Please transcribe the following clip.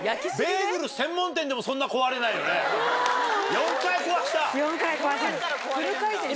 ４回壊した⁉変な。